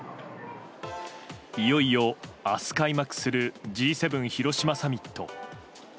いよいよ明日開幕するＧ７広島サミット。